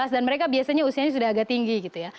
dan mereka biasanya usianya sudah agak tinggi gitu ya